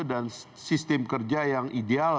dan sistem kerja yang ideal